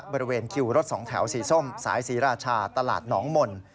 บริเวณคิวรถสองแถวสีส้มสายศรีราชาตลาดหนองมนต์